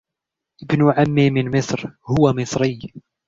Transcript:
ابن عمي من مصر. هو مصري.